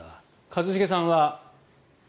一茂さんは？